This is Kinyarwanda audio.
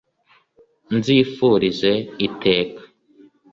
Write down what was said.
Nzifurize iteka